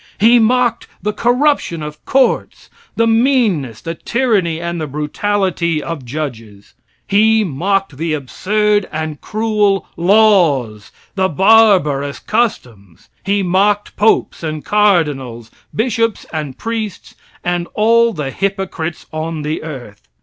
He mocked the corruption of courts; the meanness, the tyranny, and the brutality of judges. He mocked the absurd and cruel laws, the barbarous customs. He mocked popes and cardinals, bishops and priests, and all the hypocrites on the earth.